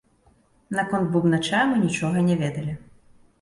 Наконт бубнача мы нічога не ведалі.